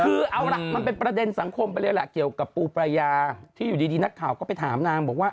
คือเอาล่ะมันเป็นประเด็นสังคมไปเลยล่ะเกี่ยวกับปูปรายาที่อยู่ดีนักข่าวก็ไปถามนางบอกว่า